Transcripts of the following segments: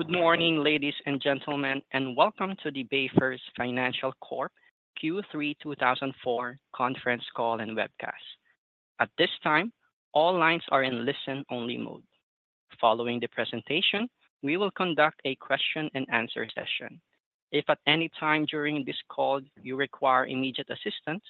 Good morning, ladies and gentlemen, and welcome to the BayFirst Financial Corp Q3 2024 Conference Call and Webcast. At this time, all lines are in listen-only mode. Following the presentation, we will conduct a question and answer session. If at any time during this call you require immediate assistance,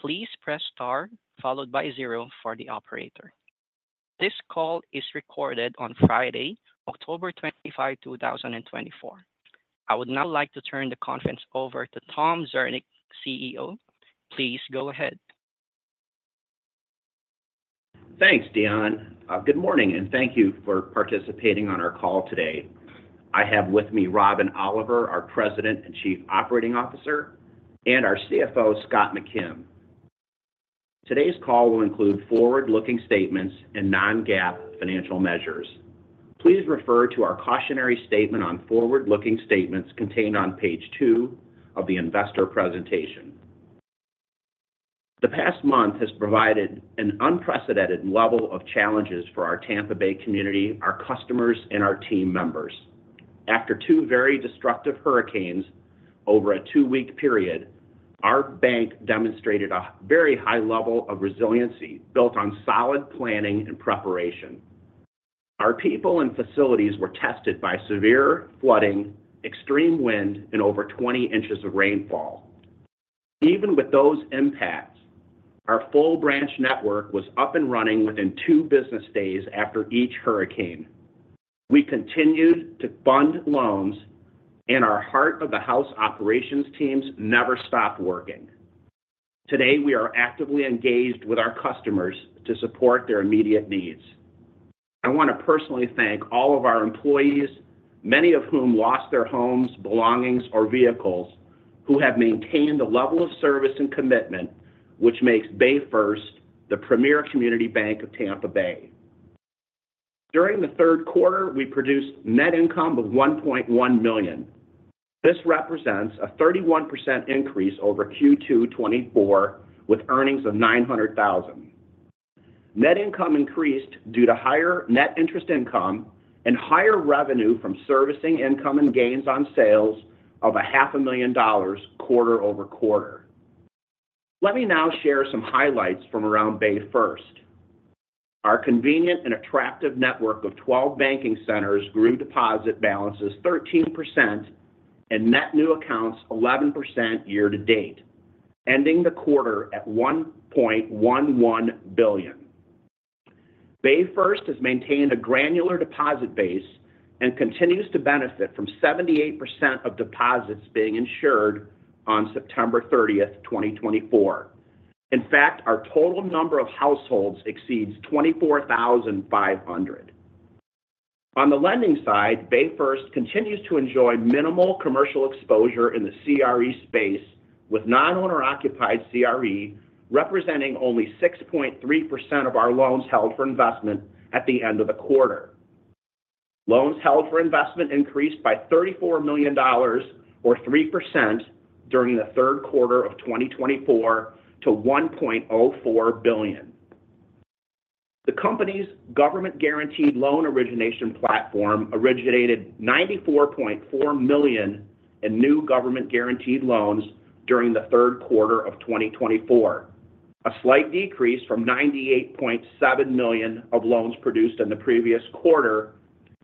please press Star, followed by zero for the operator. This call is recorded on Friday, October 25 2024. I would now like to turn the conference over to Tom Zernick, CEO. Please go ahead. Thanks, Dion. Good morning, and thank you for participating on our call today. I have with me Robin Oliver, our President and Chief Operating Officer, and our CFO, Scott McKim. Today's call will include forward-looking statements and non-GAAP financial measures. Please refer to our cautionary statement on forward-looking statements contained on page two of the investor presentation. The past month has provided an unprecedented level of challenges for our Tampa Bay community, our customers, and our team members. After two very destructive hurricanes over a two-week period, our bank demonstrated a very high level of resiliency, built on solid planning and preparation. Our people and facilities were tested by severe flooding, extreme wind, and over twenty inches of rainfall. Even with those impacts, our full branch network was up and running within two business days after each hurricane. We continued to fund loans, and our heart of the house operations teams never stopped working. Today, we are actively engaged with our customers to support their immediate needs. I want to personally thank all of our employees, many of whom lost their homes, belongings, or vehicles, who have maintained a level of service and commitment, which makes BayFirst the premier community bank of Tampa Bay. During the third quarter, we produced net income of $1.1 million. This represents a 31% increase over Q2 2024, with earnings of $900,000. Net income increased due to higher net interest income and higher revenue from servicing income and gains on sales of $500,000 quarter over quarter. Let me now share some highlights from around BayFirst.Our convenient and attractive network of 12 banking centers grew deposit balances 13% and net new accounts 11% year to date, ending the quarter at $1.11 billion. BayFirst has maintained a granular deposit base and continues to benefit from 78% of deposits being insured on September 30, 2024. In fact, our total number of households exceeds 24,500. On the lending side, BayFirst continues to enjoy minimal commercial exposure in the CRE space, with non-owner-occupied CRE representing only 6.3% of our loans held for investment at the end of the quarter. Loans held for investment increased by $34 million or 3% during the third quarter of 2024 to $1.04 billion. The company's government-guaranteed loan origination platform originated $94.4 million in new government-guaranteed loans during the third quarter of 2024. A slight decrease from 98.7 million of loans produced in the previous quarter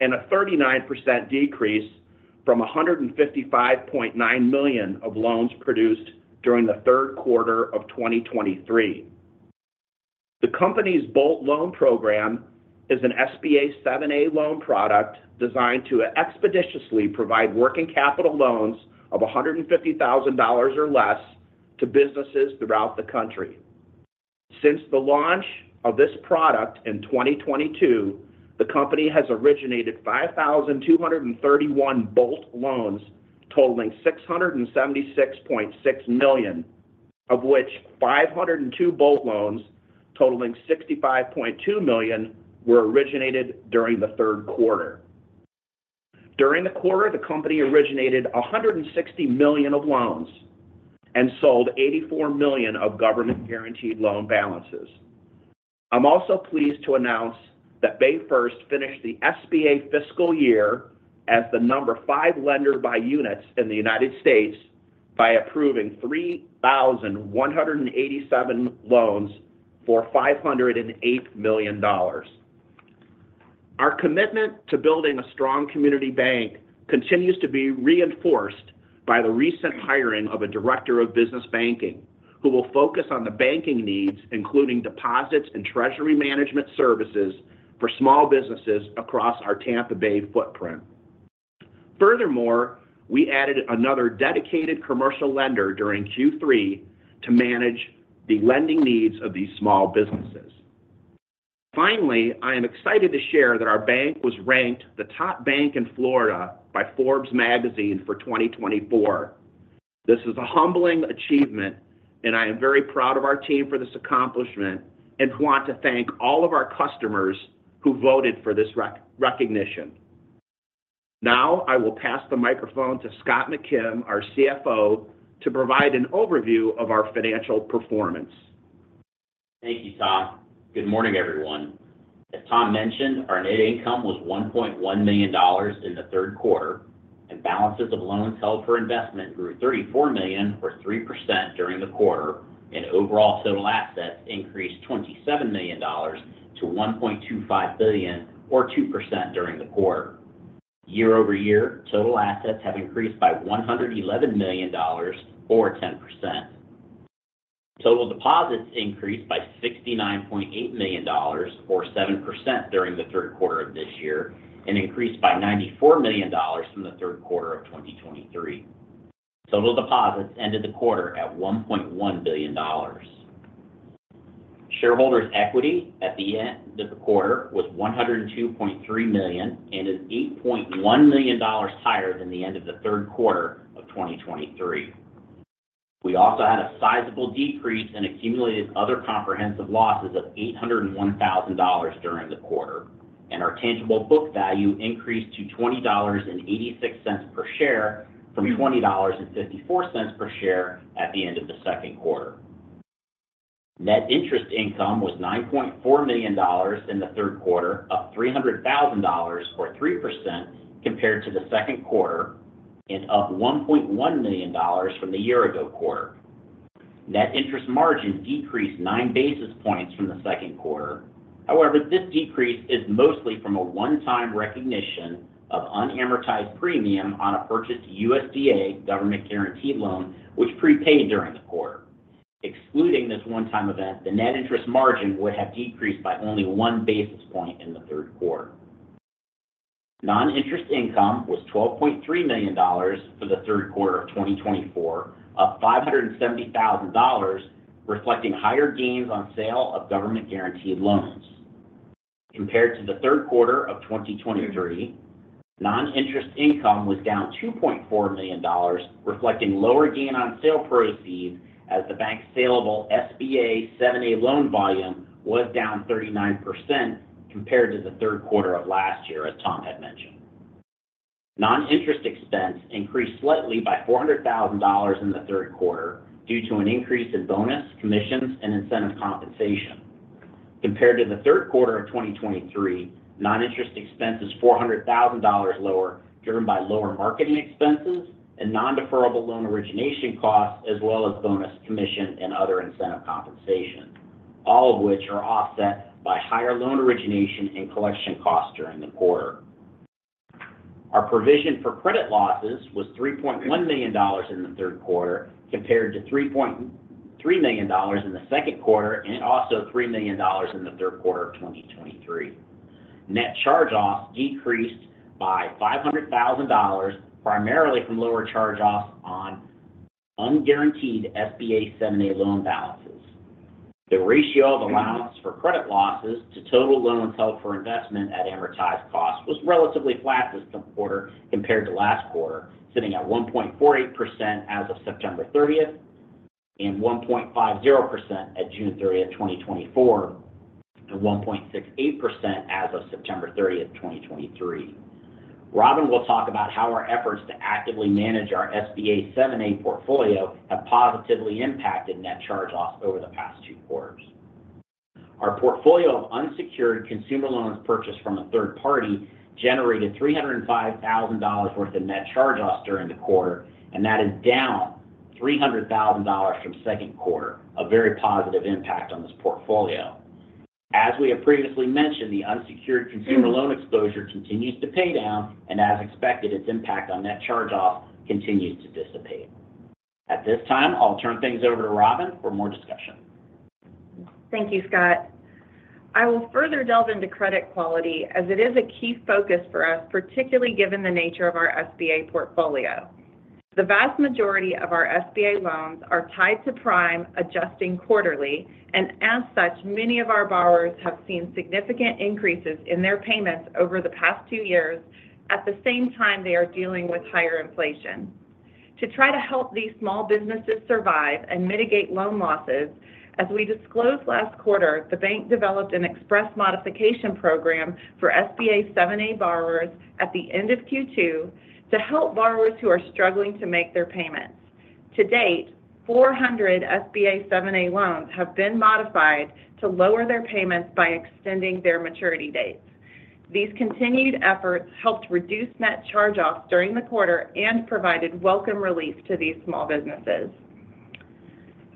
and a 39% decrease from 155.9 million of loans produced during the third quarter of 2023. The company's Bolt loan program is an SBA 7(a) loan product designed to expeditiously provide working capital loans of $150,000 or less to businesses throughout the country. Since the launch of this product in 2022, the company has originated 5,231 Bolt loans, totaling $676.6 million, of which 502 Bolt loans, totaling $65.2 million, were originated during the third quarter. During the quarter, the company originated $160 million of loans and sold $84 million of government-guaranteed loan balances. I'm also pleased to announce that BayFirst finished the SBA fiscal year as the number five lender by units in the United States by approving 3,187 loans for $508 million. Our commitment to building a strong community bank continues to be reinforced by the recent hiring of a director of business banking, who will focus on the banking needs, including deposits and treasury management services, for small businesses across our Tampa Bay footprint. Furthermore, we added another dedicated commercial lender during Q3 to manage the lending needs of these small businesses. Finally, I am excited to share that our bank was ranked the top bank in Florida by Forbes Magazine for 2024.This is a humbling achievement, and I am very proud of our team for this accomplishment, and want to thank all of our customers who voted for this recognition. Now, I will pass the microphone to Scott McKim, our CFO, to provide an overview of our financial performance.... Thank you, Tom. Good morning, everyone. As Tom mentioned, our net income was $1.1 million in the third quarter, and balances of loans held for investment grew $34 million, or 3% during the quarter, and overall total assets increased $27 million-$1.25 billion, or 2% during the quarter. Year over year, total assets have increased by $111 million, or 10%. Total deposits increased by $69.8 million, or 7% during the third quarter of this year, and increased by $94 million from the third quarter of 2023. Total deposits ended the quarter at $1.1 billion. Shareholders' equity at the end of the quarter was $102.3 million, and is $8.1 million higher than the end of the third quarter of 2023. We also had a sizable decrease in Accumulated Other Comprehensive Losses of $801,000 during the quarter, and our Tangible Book Value increased to $20.86 per share from $20.54 per share at the end of the second quarter. Net Interest Income was $9.4 million in the third quarter, up $300,000, or 3% compared to the second quarter, and up $1.1 million from the year ago quarter. Net Interest Margin decreased nine basis points from the second quarter. However, this decrease is mostly from a one-time recognition of unamortized premium on a purchased USDA government guaranteed loan, which prepaid during the quarter. Excluding this one-time event, the net interest margin would have decreased by only one basis point in the third quarter. Non-interest income was $12.3 million for the third quarter of 2024, up $570,000, reflecting higher gains on sale of government guaranteed loans. Compared to the third quarter of 2023, non-interest income was down $2.4 million, reflecting lower gain on sale proceeds as the bank's salable SBA 7(a) loan volume was down 39% compared to the third quarter of last year, as Tom had mentioned. Non-interest expense increased slightly by $400,000 in the third quarter due to an increase in bonus, commissions, and incentive compensation. Compared to the third quarter of 2023, non-interest expense is $400,000 lower, driven by lower marketing expenses and non-deferrable loan origination costs, as well as bonus, commission, and other incentive compensation. All of which are offset by higher loan origination and collection costs during the quarter. Our provision for credit losses was $3.1 million in the third quarter, compared to $3.3 million in the second quarter, and also $3 million in the third quarter of 2023. Net charge-offs decreased by $500,000, primarily from lower charge-offs on unguaranteed SBA 7(a) loan balances. The ratio of allowance for credit losses to total loans held for investment at amortized cost was relatively flat this quarter compared to last quarter, sitting at 1.48% as of September 30th, 2024, and 1.50% at June 30th, 2024, and 1.68% as of September 30th, 2023. Robin will talk about how our efforts to actively manage our SBA 7(a) portfolio have positively impacted net charge-offs over the past two quarters. Our portfolio of unsecured consumer loans purchased from a third party generated $305,000 worth of net charge-offs during the quarter, and that is down $300,000 from second quarter, a very positive impact on this portfolio. As we have previously mentioned, the unsecured consumer loan exposure continues to pay down, and as expected, its impact on net charge-off continues to dissipate. At this time, I'll turn things over to Robin for more discussion. Thank you, Scott. I will further delve into credit quality as it is a key focus for us, particularly given the nature of our SBA portfolio. The vast majority of our SBA loans are tied to prime, adjusting quarterly, and as such, many of our borrowers have seen significant increases in their payments over the past two years, at the same time, they are dealing with higher inflation. To try to help these small businesses survive and mitigate loan losses, as we disclosed last quarter, the bank developed an express modification program for SBA 7(a) borrowers at the end of Q2 to help borrowers who are struggling to make their payments. To date, 400 SBA 7(a) loans have been modified to lower their payments by extending their maturity dates. These continued efforts helped reduce net charge-offs during the quarter and provided welcome relief to these small businesses.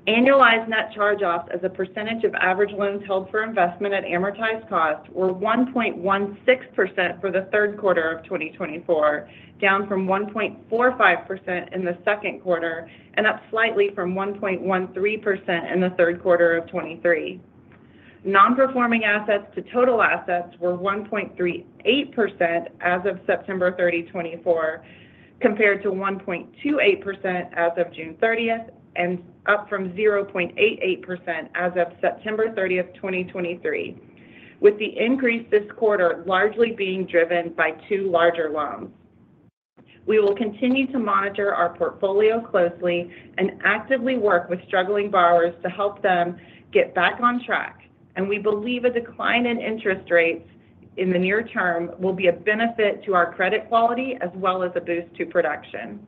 Annualized net charge-offs as a percentage of average loans held for investment at amortized cost were 1.16% for the third quarter of 2024, down from 1.45% in the second quarter, and up slightly from 1.13% in the third quarter of 2023. Non-performing assets to total assets were 1.38% as of September 30, 2024, compared to 1.28% as of June 30, and up from 0.88% as of September 30, 2023. With the increase this quarter largely being driven by two larger loans. We will continue to monitor our portfolio closely and actively work with struggling borrowers to help them get back on track, and we believe a decline in interest rates in the near term will be a benefit to our credit quality as well as a boost to production.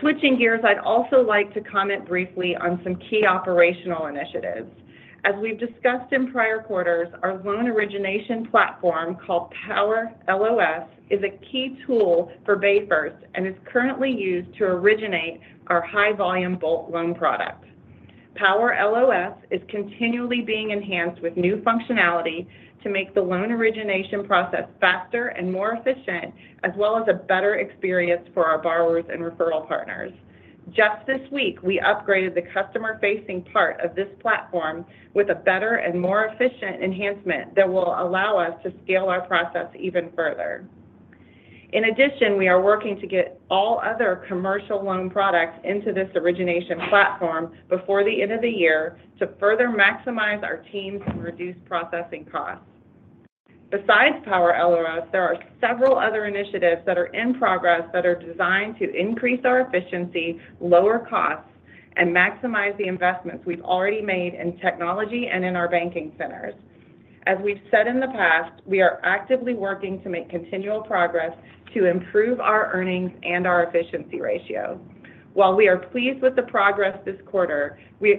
Switching gears, I'd also like to comment briefly on some key operational initiatives. As we've discussed in prior quarters, our loan origination platform, called PowerLOS, is a key tool for BayFirst and is currently used to originate our high-volume bulk loan product. PowerLOS is continually being enhanced with new functionality to make the loan origination process faster and more efficient, as well as a better experience for our borrowers and referral partners. Just this week, we upgraded the customer-facing part of this platform with a better and more efficient enhancement that will allow us to scale our process even further. In addition, we are working to get all other commercial loan products into this origination platform before the end of the year to further maximize our teams and reduce processing costs. Besides PowerLOS, there are several other initiatives that are in progress that are designed to increase our efficiency, lower costs, and maximize the investments we've already made in technology and in our banking centers. As we've said in the past, we are actively working to make continual progress to improve our earnings and our efficiency ratio. While we are pleased with the progress this quarter, we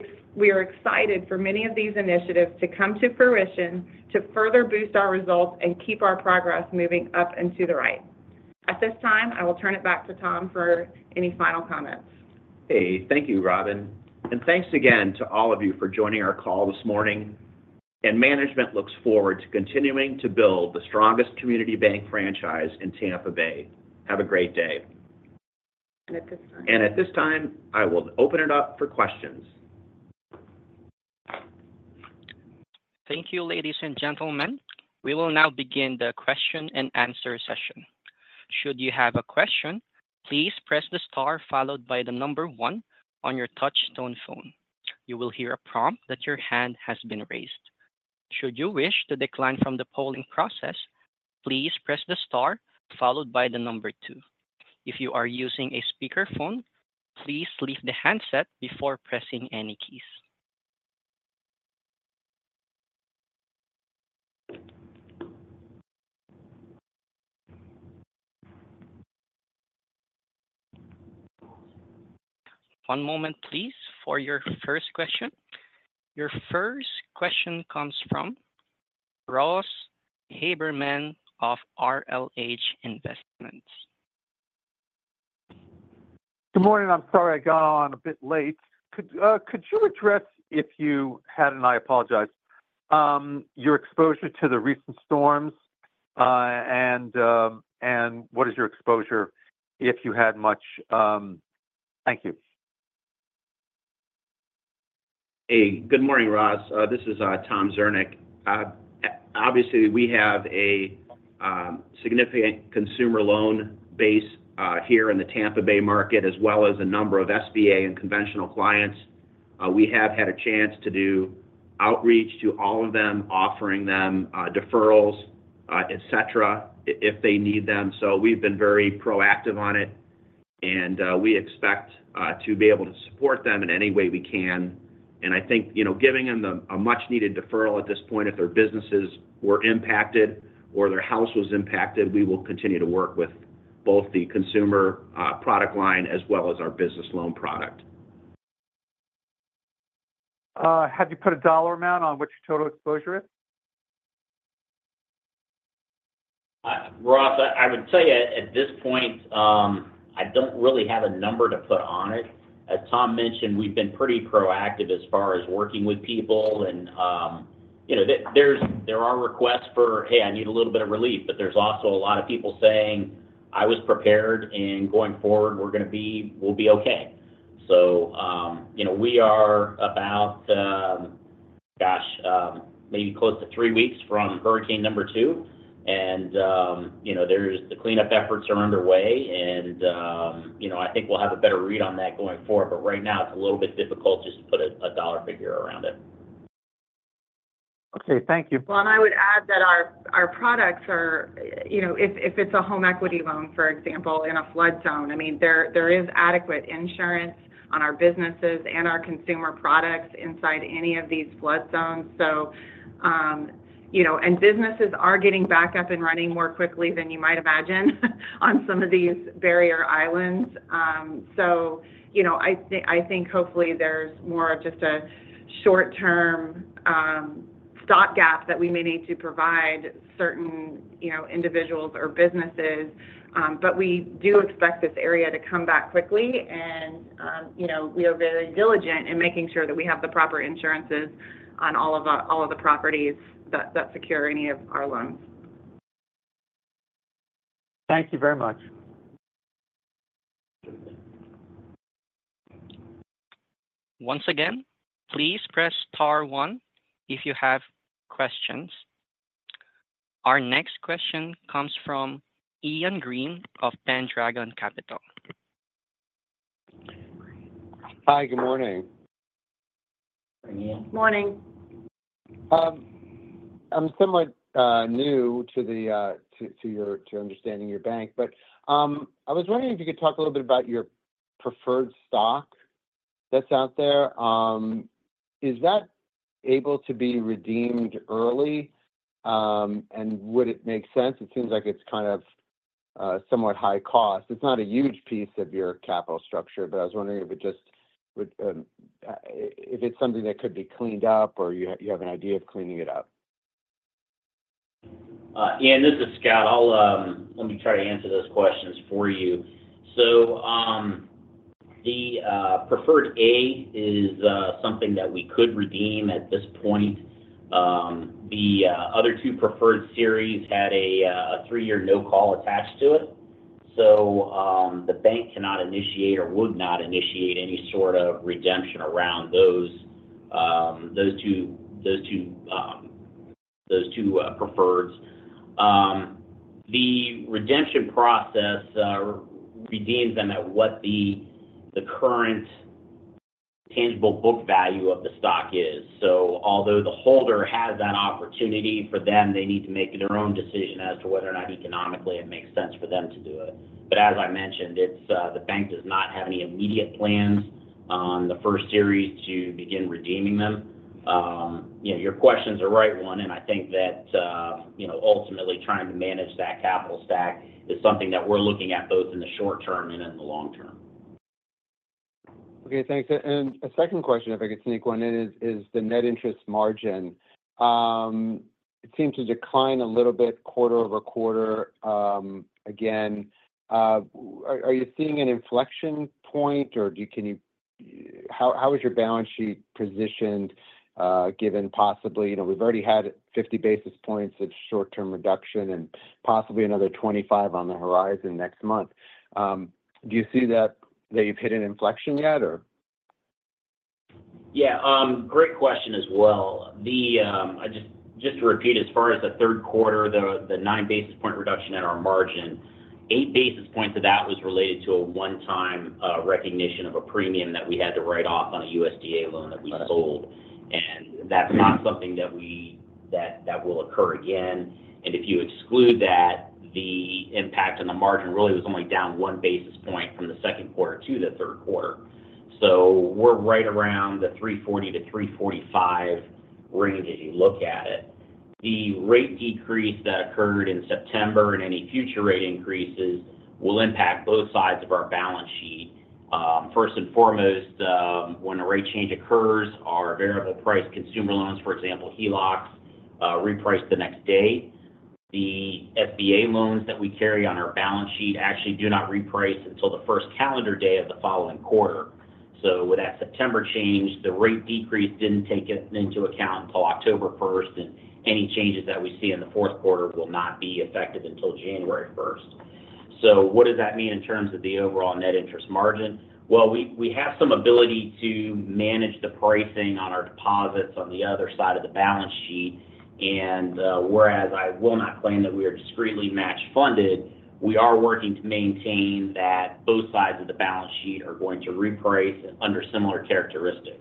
are excited for many of these initiatives to come to fruition to further boost our results and keep our progress moving up and to the right. At this time, I will turn it back to Tom for any final comments. Hey, thank you, Robin, and thanks again to all of you for joining our call this morning. Management looks forward to continuing to build the strongest community bank franchise in Tampa Bay. Have a great day. At this time- At this time, I will open it up for questions. Thank you, ladies and gentlemen. We will now begin the question and answer session. Should you have a question, please press the star followed by the number one on your touch-tone phone. You will hear a prompt that your hand has been raised. Should you wish to decline from the polling process, please press the star followed by the number two. If you are using a speakerphone, please leave the handset before pressing any keys. One moment, please, for your first question. Your first question comes from Ross Haberman of RLH Investments. Good morning. I'm sorry I got on a bit late. Could you address, if you hadn't, and I apologize, your exposure to the recent storms, and what is your exposure, if you had much? Thank you. Hey, good morning, Ross. This is Tom Zernick. Obviously, we have a significant consumer loan base here in the Tampa Bay market, as well as a number of SBA and conventional clients. We have had a chance to do outreach to all of them, offering them deferrals, et cetera, if they need them. So we've been very proactive on it, and we expect to be able to support them in any way we can. And I think, you know, giving them a much-needed deferral at this point, if their businesses were impacted or their house was impacted, we will continue to work with both the consumer product line as well as our business loan product. Have you put a dollar amount on what your total exposure is? Ross, I would tell you, at this point, I don't really have a number to put on it. As Tom mentioned, we've been pretty proactive as far as working with people and, you know, there are requests for, "Hey, I need a little bit of relief," but there's also a lot of people saying, "I was prepared, and going forward, we're gonna be, we'll be okay." So, you know, we are about maybe close to three weeks from hurricane number two, and, you know, the cleanup efforts are underway and, you know, I think we'll have a better read on that going forward. But right now, it's a little bit difficult just to put a dollar figure around it. Okay. Thank you. Well, and I would add that our products are. You know, if it's a home equity loan, for example, in a flood zone, I mean, there is adequate insurance on our businesses and our consumer products inside any of these flood zones. So, you know, and businesses are getting back up and running more quickly than you might imagine, on some of these barrier islands. So, you know, I think hopefully there's more of just a short-term stopgap that we may need to provide certain, you know, individuals or businesses. But we do expect this area to come back quickly and, you know, we are very diligent in making sure that we have the proper insurances on all of the properties that secure any of our loans. Thank you very much. Once again, please press star one if you have questions. Our next question comes from Ian Green of Pendragon Capital. Hi, good morning. Morning. Morning. I'm somewhat new to understanding your bank, but I was wondering if you could talk a little bit about your preferred stock that's out there. Is that able to be redeemed early? And would it make sense? It seems like it's kind of somewhat high cost. It's not a huge piece of your capital structure, but I was wondering if it just would if it's something that could be cleaned up or you have an idea of cleaning it up. Ian, this is Scott. Let me try to answer those questions for you. The Preferred A is something that we could redeem at this point. The other two preferred series had a three-year no call attached to it, so the bank cannot initiate or would not initiate any sort of redemption around those two preferreds. The redemption process redeems them at what the current tangible book value of the stock is, so although the holder has that opportunity, for them, they need to make their own decision as to whether or not economically it makes sense for them to do it, but as I mentioned, the bank does not have any immediate plans on the first series to begin redeeming them. You know, your question's a right one, and I think that, you know, ultimately trying to manage that capital stack is something that we're looking at both in the short term and in the long term. Okay, thanks. And a second question, if I could sneak one in, is the net interest margin. It seems to decline a little bit quarter over quarter. Again, are you seeing an inflection point, or how is your balance sheet positioned, given possibly, you know, we've already had 50 basis points of short-term reduction and possibly another 25 on the horizon next month. Do you see that you've hit an inflection yet, or? Yeah, great question as well. Just to repeat, as far as the third quarter, the nine basis point reduction in our margin, eight basis points of that was related to a one-time recognition of a premium that we had to write off on a USDA loan that we sold. Got it. That's not something that will occur again. If you exclude that, the impact on the margin really was only down one basis point from the second quarter to the third quarter. We're right around the 340-345 range as you look at it. The rate decrease that occurred in September and any future rate increases will impact both sides of our balance sheet. First and foremost, when a rate change occurs, our variable price consumer loans, for example, HELOCs, reprice the next day. The SBA loans that we carry on our balance sheet actually do not reprice until the first calendar day of the following quarter. So with that September change, the rate decrease didn't take it into account until October first, and any changes that we see in the fourth quarter will not be effective until January first. So what does that mean in terms of the overall net interest margin? Well, we have some ability to manage the pricing on our deposits on the other side of the balance sheet, and whereas I will not claim that we are discretely match funded, we are working to maintain that both sides of the balance sheet are going to reprice under similar characteristics.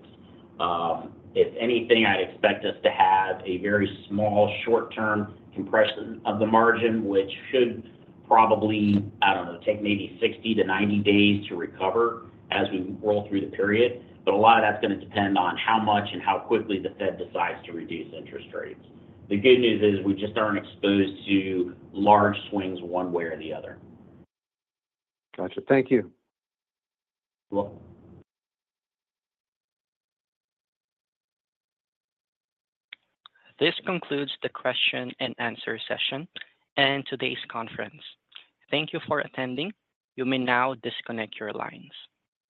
If anything, I expect us to have a very small short-term compression of the margin, which should probably, I don't know, take maybe 60-90 days to recover as we roll through the period, but a lot of that's going to depend on how much and how quickly the Fed decides to reduce interest rates. The good news is we just aren't exposed to large swings one way or the other. Gotcha. Thank you. You're welcome. This concludes the question and answer session and today's conference. Thank you for attending. You may now disconnect your lines.